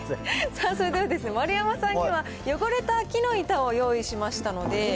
それではですね、丸山さんには汚れた木の板を用意しましたので。